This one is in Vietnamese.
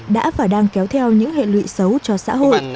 đã và đang kéo theo những hệ lụy xấu cho xã hội